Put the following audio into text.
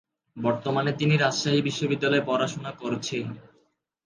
বর্তমানে তিনি রাজশাহী বিশ্ববিদ্যালয়ে পড়াশোনা করছে।